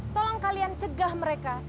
tolong kalian cegah mereka